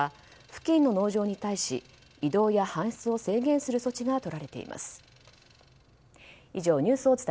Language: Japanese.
付近の農場に対し移動や搬出を制限する措置がとられています。